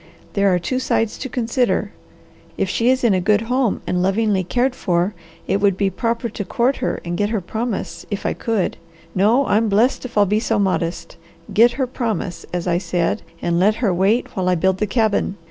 "There are two sides to consider. If she is in a good home, and lovingly cared for, it would be proper to court her and get her promise, if I could no I'm blest if I'll be so modest get her promise, as I said, and let her wait while I build the cabin.